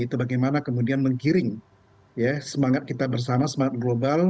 itu bagaimana kemudian menggiring semangat kita bersama semangat global